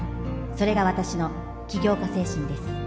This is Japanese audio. それが私の起業家精神です